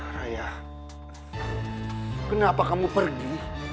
raya kenapa kamu pergi